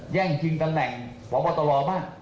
แย่งชิงกำแหน่งของบรรเตอรอบ้าง